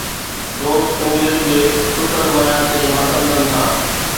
دوست اميدن جي ٽٽل معيار تي ماتم ڪن ٿا.